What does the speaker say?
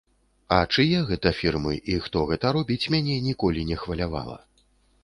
А чые гэта фірмы і хто гэта робіць, мяне ніколі не хвалявала.